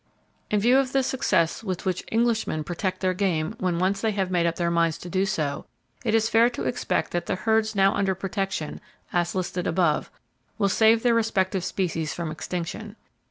In view of the success with which Englishmen protect their game when [Page 186] once they have made up their minds to do so, it is fair to expect that the herds now under protection, as listed above, will save their respective species from extinction.